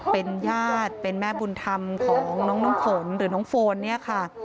เป็นญาติเป็นแม่บุญธรรมของน้องน้ำฝนหรือน้องโฟนเนี่ยค่ะ